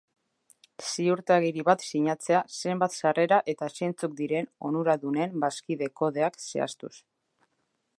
Ziurtagiri bat sinatzea zenbat sarrera eta zeintzuk diren onuradunen bazkide kodeak zehaztuz.